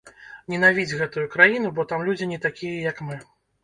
Ненавідзь гэтую краіну, бо там людзі не такія, як мы.